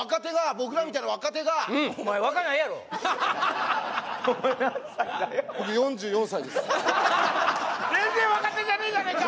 僕４４歳です全然若手じゃねえじゃねえか！